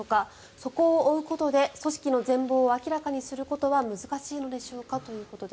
そこを追うことで組織の全ぼうを明らかにすることは難しいのでしょうかということです。